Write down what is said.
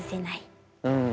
うん。